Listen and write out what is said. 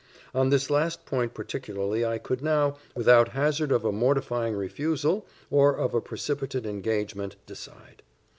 On this last point particularly, I could now, without hazard of a mortifying refusal, or of a precipitate engagement, decide.